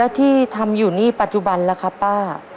แล้วที่ทำอยู่นี่ปัจจุบันแล้วครับป้า